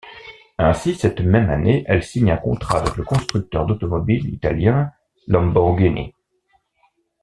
Ainsi, cette même année, elle signe un contrat avec le constructeur d'automobiles italien Lamborghini.